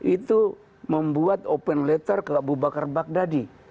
itu membuat open letter ke abu bakar baghdadi